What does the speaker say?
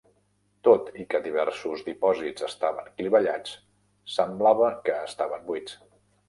Tot i que diversos dipòsits estaven clivellats, semblava que estaven buits.